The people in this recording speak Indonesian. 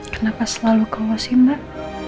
kenapa selalu ke lo sih mbak